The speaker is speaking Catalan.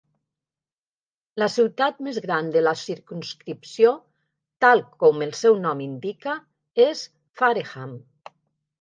La ciutat més gran de la circumscripció, tal com el seu nom indica, és Fareham.